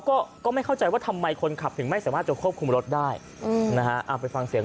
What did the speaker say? เขาก็ไม่เข้าใจว่าทำไมคนขับถึงไม่สามารถจะควบคุมรถได้